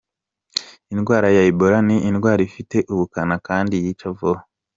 Indwara ya Ebola ni indwara ifite ubukana kandi yica vuba.